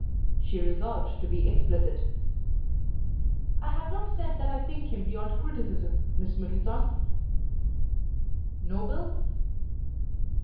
She resolved to be explicit. "I have not said that I think him beyond criticism, Miss Middleton." "Noble?"